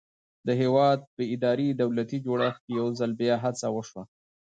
د هېواد په اداري دولتي جوړښت کې یو ځل بیا هڅه وشوه.